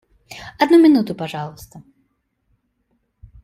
Одну минуту, пожалуйста.